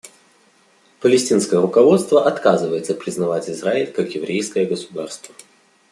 Палестинское руководство отказывается признавать Израиль как еврейское государство.